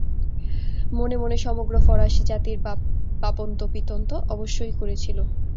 মনে মনে সমগ্র ফরাসী জাতির বাপন্ত-পিতন্ত অবশ্যই করেছিল।